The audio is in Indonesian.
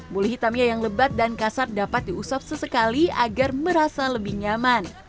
buli hitamnya yang lebat dan kasar dapat diusap sesekali agar merasa lebih nyaman